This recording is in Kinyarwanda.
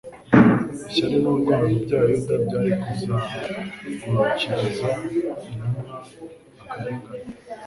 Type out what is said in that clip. Ishyari n'urwango by'abayuda byari kuzahagurukiriza intumwa akarengane;